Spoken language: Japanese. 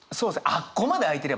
あっこまで開いてればね！